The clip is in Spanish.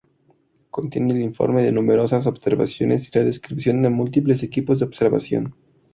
Contiene el informe de numerosas observaciones y la descripción de múltiples equipos de observación.